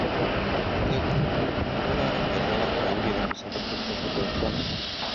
Әйтәгүр, һыуҙа ла, ярҙа ла Мауглиҙың бысағы туҡтауһыҙ ялтланы.